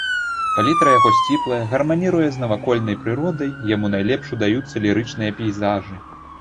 Палітра яго сціплая, гарманіруе з навакольнай прыродай, яму найлепш удаюцца лірычныя пейзажы.